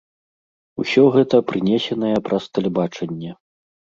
Усё гэта прынесенае праз тэлебачанне.